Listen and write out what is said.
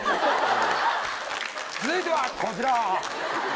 続いてはこちら。